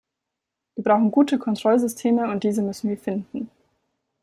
Wir brauchen gute Kontrollsysteme, und diese müssen wir finden.